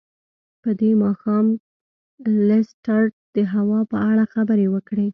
په دې ماښام لیسټرډ د هوا په اړه خبرې وکړې.